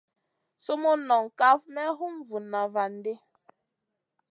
Sumun nong kaf may hum vuna van di.